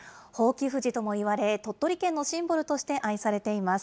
伯耆富士ともいわれ、鳥取県のシンボルとして愛されています。